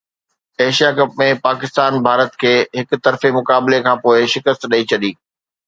Asia cup ۾ Pakistan Bharat کي هڪ طرفي مقابلي کانپوءِ شڪست ڏئي ڇڏي